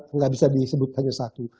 tidak bisa disebut hanya satu